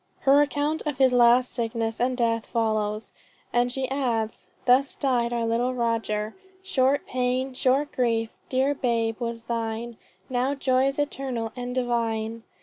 ... Her account of his last sickness and death follows, and she adds: "Thus died our little Roger: 'Short pain, short grief, dear babe, was thine Now joys eternal and divine.'